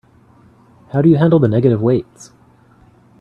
How do you handle the negative weights?